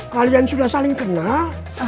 kalian sudah saling kenal